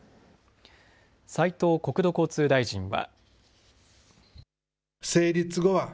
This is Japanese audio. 斉藤国土交通大臣は。